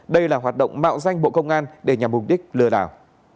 đây là hoạt động mạo danh bộ công an để nhằm mục đích lừa đảo